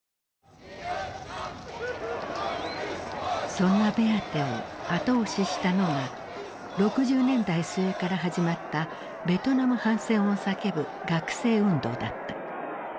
そんなベアテを後押ししたのが６０年代末から始まったベトナム反戦を叫ぶ学生運動だった。